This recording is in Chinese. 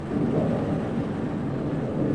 同年医疗大楼落成启用。